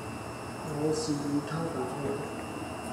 我示意他打開